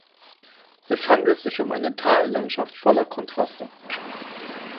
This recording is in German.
Es handelt sich um eine Tallandschaft voller Kontraste.